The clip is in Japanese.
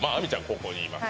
ここにいます